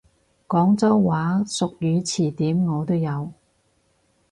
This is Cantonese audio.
廣州話俗語詞典我都有！